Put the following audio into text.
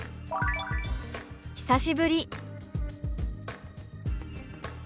「久しぶり」。